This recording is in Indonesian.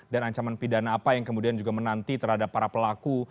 dan ancaman pidana apa yang kemudian juga menanti terhadap para pelaku